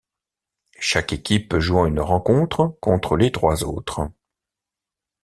Chaque équipe jouant une rencontre contre les trois autres.